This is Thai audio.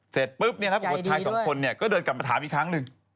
เสร็จปุ๊บถ้าให้๒คนก็เดินกลับมาถามอีกครั้งหนึ่ง